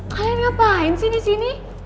kalian ngapain sih disini